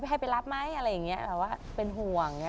ให้ไปรับไหมอะไรอย่างนี้แต่ว่าเป็นห่วง